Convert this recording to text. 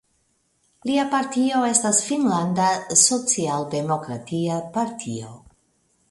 Lia partio estas Finnlanda Socialdemokratia Partio.